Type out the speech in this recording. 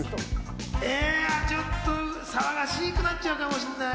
ちょっと騒がしくなっちゃうかもしれない。